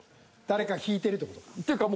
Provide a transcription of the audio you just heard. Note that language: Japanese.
誰か引いてるって事か。